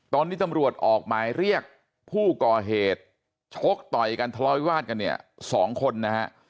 ตอนนี้ตำรวจออกหมายเรียกผู้ก่อเหตุชกต่อยกันทะเลาวิวาดกันเนี่ยสองคนนะฮะ